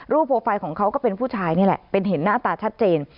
โปรไฟล์ของเขาก็เป็นผู้ชายนี่แหละเป็นเห็นหน้าตาชัดเจน